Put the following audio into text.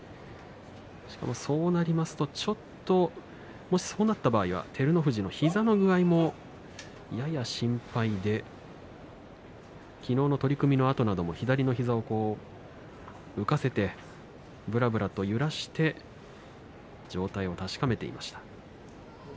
しかもそうなりますとちょっともしそうなった場合は照ノ富士の膝の具合も、やや心配で昨日の取組のあとなども左の膝を浮かせてぶらぶらと揺らして状態を確かめていました。